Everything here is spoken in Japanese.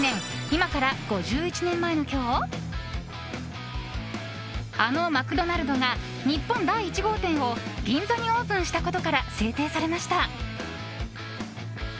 今から５１年前の今日あのマクドナルドが日本第１号店を銀座にオープンしたことから制定されました。